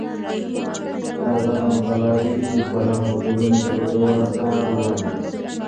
که ازاده مطالعه وي، ليکوالان به ټولني ته ګټور اثار وړاندې کړي.